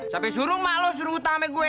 sampe suruh emak lo suruh utang ama gue